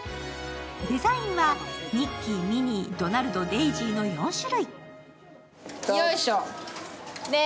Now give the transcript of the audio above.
デザインはミッキー、ミニー、ドナルド、デイジーの４種類。